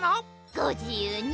ごじゆうに。